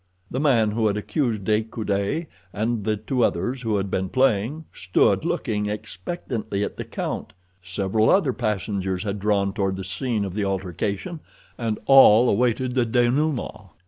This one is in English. The man who had accused De Coude, and the two others who had been playing, stood looking expectantly at the count. Several other passengers had drawn toward the scene of the altercation, and all awaited the dénouement.